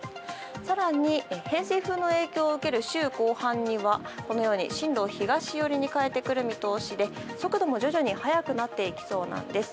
更に、偏西風の影響を受ける週後半には進路を東寄りに変えてくる見通しで速度も徐々に速くなっていきそうなんです。